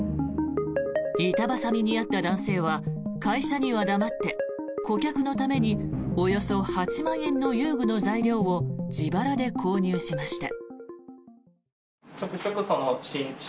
板挟みにあった男性は会社には黙って顧客のためにおよそ８万円の遊具の材料を自腹で購入しました。